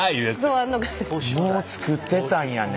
もう作ってたんやね。